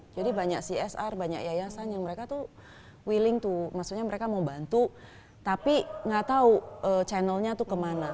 jadi banyak csr banyak yayasan yang mereka tuh willing to maksudnya mereka mau bantu tapi gak tahu channelnya tuh kemana